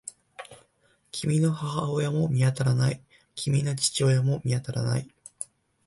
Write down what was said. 君の母親も見当たらない。君の父親も見当たらない。